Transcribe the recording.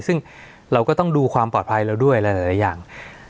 ซึ่งเราก็ต้องดูความปลอดภัยเราด้วยหลายอย่าง